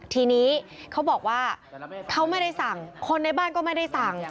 ทีนี้เขาบอกว่าเขาไม่ได้สั่งคนในบ้านก็ไม่ได้สั่ง